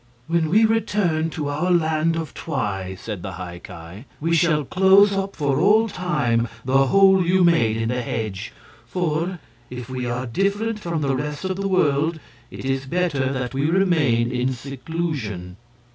"When we return to our Land of Twi," said the High Ki, "we shall close up for all time the hole you made in the hedge; for, if we are different from the rest of the world, it is better that we remain in seclusion."